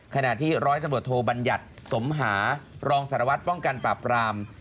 ขณะที่ร้อยตำรวจโทบัญญัติสมหารองสารวัตรป้องกันปราบราม